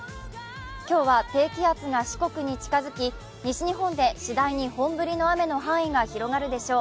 今日は低気圧が四国に近づき、西日本で次第に本降りの雨の範囲が広がるでしょう。